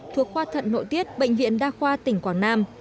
thuộc khoa thận nội tiết bệnh viện đa khoa tỉnh quảng nam